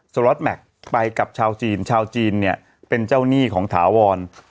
รอตแม็กซ์ไปกับชาวจีนชาวจีนเนี่ยเป็นเจ้าหนี้ของถาวร